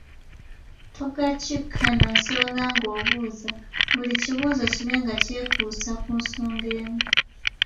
Togakkikana nsonga ng’obuuza, buli kibuuzo kibe nga kyekuusa ku nsonga emu.